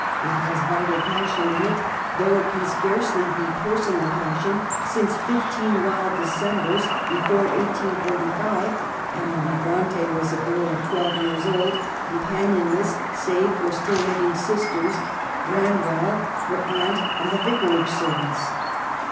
It has vital passion in it ; though it can scarcely be personal passion, since, " fif teen wild Decembers" before 1845, Emily Bronte was a girl of twelve years old, companionless, save for still living sisters, Branwell, her aunt, and the vicarage servants.